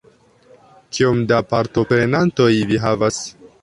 Kiom da partoprenantoj vi havas?